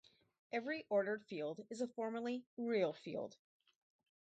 Every ordered field is a formally real field.